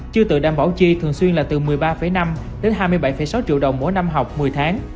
chưa tự đảm bảo chi thường xuyên là từ một mươi ba năm đến hai mươi bảy sáu triệu đồng mỗi năm học một mươi tháng